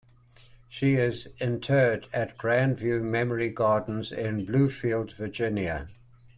She is interred at Grandview Memory Gardens in Bluefield, Virginia.